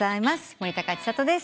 森高千里です。